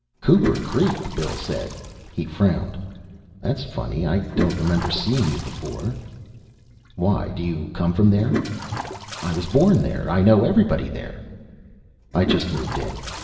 "Cooper Creek?" Bill said. He frowned. "That's funny. I don't remember seeing you before." "Why, do you come from there?" "I was born there. I know everybody there." "I just moved in.